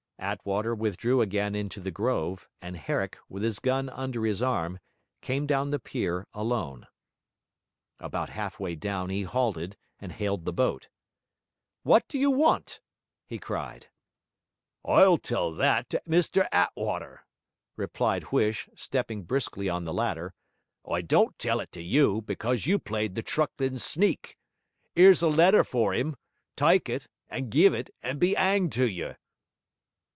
Attwater withdrew again into the grove, and Herrick, with his gun under his arm, came down the pier alone. About half way down he halted and hailed the boat. 'What do you want?' he cried. 'I'll tell that to Mr Attwater,' replied Huish, stepping briskly on the ladder. 'I don't tell it to you, because you played the trucklin' sneak. Here's a letter for him: tyke it, and give it, and be 'anged to you!'